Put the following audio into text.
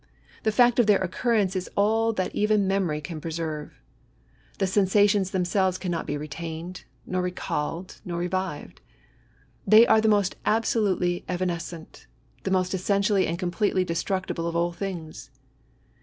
The fact of their occurrence is all that even memory can preserve. The sensations them selves cannot be retained, nor recalled, nor re vived; they are the most absolutely evanescent, the most essentially and completely destructible of all things.